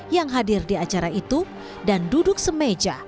yang hadir di acara itu dan duduk semeja